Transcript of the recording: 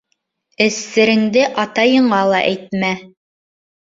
Эс сереңде атайыңа ла әйтмә.